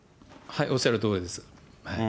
おっしゃるとおりです。